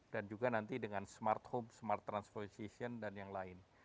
dan juga nanti dengan smart home smart transportation dan yang lain